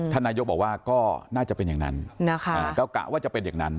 นายกบอกว่าก็น่าจะเป็นอย่างนั้นนะคะก็กะว่าจะเป็นอย่างนั้น